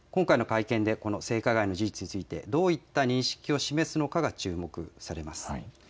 今回の会見でこの性加害の事実について、どういった認識を示すのかが注目されます。